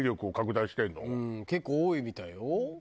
結構多いみたいよ。